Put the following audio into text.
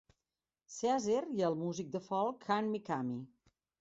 Seazer i el músic de folk Kan Mikami.